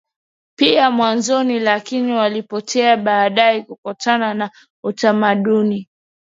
pia mwanzoni lakini walipotea baadaye kutokana na utamaduni